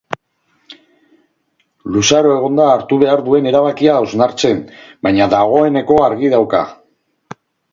Luzaro egon da hartu behar duen erabakia hausnartzen, baina dagoeneko argi dauka.